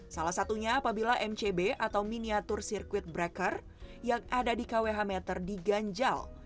salah satunya apabila mcb atau miniatur sirkuit breaker yang ada di kwh meter diganjal